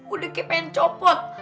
udah kayak pengen copot